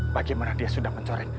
bagaimana dia sudah mencoren